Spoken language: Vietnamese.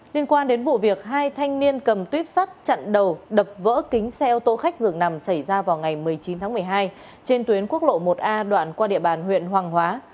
liên quan đến vụ việc hai thanh niên cầm tuyếp sắt chặn đầu đập vỡ kính xe ô tô khách dường nằm xảy ra vào ngày một mươi chín tháng một mươi hai trên tuyến quốc lộ một a đoạn qua địa bàn huyện hoàng hóa